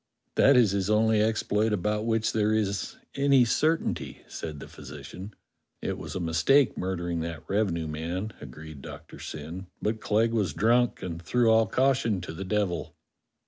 "That is his only exploit about w^hich there is any certainty," said the physician. "It was a mistake murdering that revenue man," agreed Doctor Syn, "but Clegg was drunk, and threw all caution to the devil."